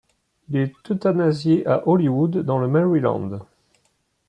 Il est euthanasié le à Hollywood dans le Maryland.